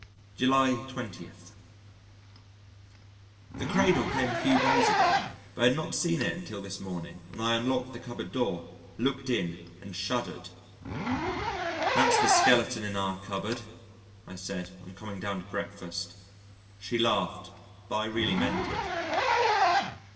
July 20. The cradle came a few days ago but I had not seen it until this morning when I unlocked the cupboard door, looked in and shuddered. "That's the skeleton in our cupboard," I said on coming down to breakfast. She laughed, but I really meant it.